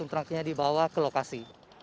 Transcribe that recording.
untuk nantinya dibawa ke lokasi